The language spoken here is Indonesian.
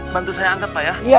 bantu saya angkat pak ya